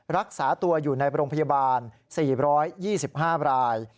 รักษาตัวอยู่ในโรงพยาบาล๔๒๕ราย